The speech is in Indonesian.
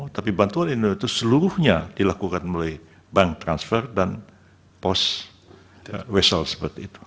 tapi bantuan indonesia itu seluruhnya dilakukan melalui bank transfer dan post wesel seperti itu